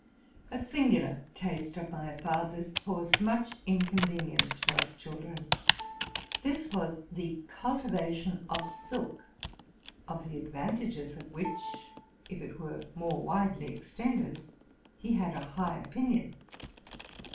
A singular taste of my father's caused much inconven ience to us children. This was the cultivation of silk, of the advantages of which, if it were more widely extended, he had a high opinion.